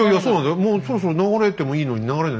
もうそろそろ流れてもいいのに流れない。